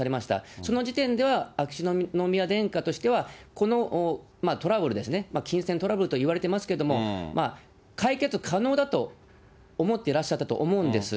その時点では、秋篠宮殿下としては、このトラブルですね、金銭トラブルといわれてますけれども、解決可能だと思ってらっしゃったと思うんです。